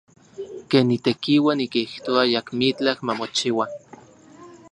Ken nitekiua, nikijtoa ayakmitlaj mamochiua.